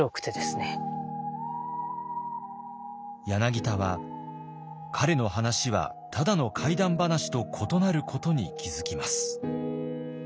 柳田は彼の話はただの怪談話と異なることに気付きます。